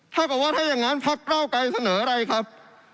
ถ้าเกิดว่าถ้าอย่างนั้นพักเก้าไกรเสนออะไรครับ